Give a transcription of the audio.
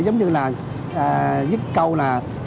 giống như là viết câu là